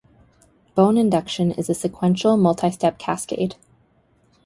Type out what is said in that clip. Bone induction is a sequential multistep cascade.